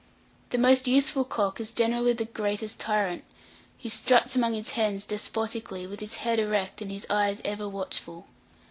The most useful cock is generally the greatest tyrant, who struts among his hens despotically, with his head erect and his eyes ever watchful.